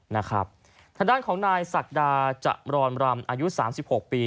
ทางด้านของนายสักดาจักรรมรำอายุ๓๖ปี